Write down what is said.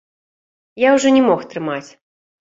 Я ўжо не мог трымаць.